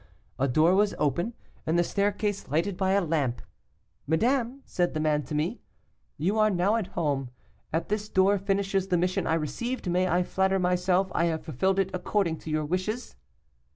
A door was open, and the staircase lighted by a lamp. 'Madame,' said the man to me, 'you are now at home. At this door finishes the mission I received; may I flatter myself I have fulfilled it according to your wishes?